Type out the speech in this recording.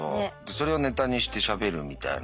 それをネタにしてしゃべるみたいな。